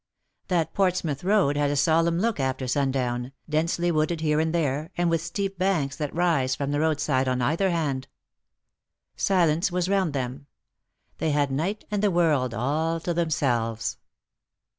That Portsmouth road has a solemn look after snndown, densely wooded here and there, and with steep banks that rise from the roadside on either hand. Silence was round them ; they had night and the world all to themselves.